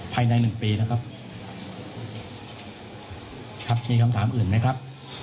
ภายในหนึ่งปีนะครับครับมีคำถามอื่นไหมครับ